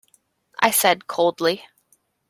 I said coldly.